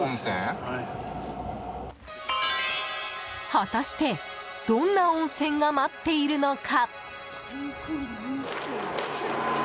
果たしてどんな温泉が待っているのか。